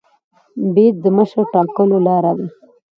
بیعت د مشر ټاکلو لار ده